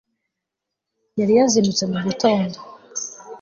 yari yazindutse mu gitondo